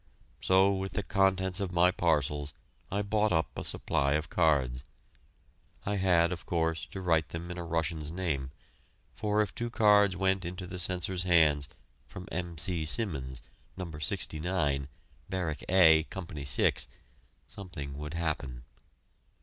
So with the contents of my parcels I bought up a supply of cards. I had, of course, to write them in a Russian's name, for if two cards went into the censor's hands from M. C. Simmons, No. 69, Barrack A, Company 6, something would happen.